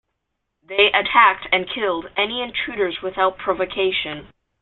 They attacked and killed any intruders without provocation.